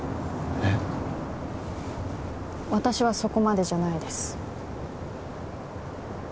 えっ私はそこまでじゃないです